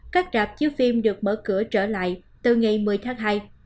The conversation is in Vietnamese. các rạp chiếu phim được mở cửa trở lại từ ngày một mươi tháng hai